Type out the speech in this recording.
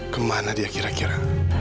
kemana dia kira kira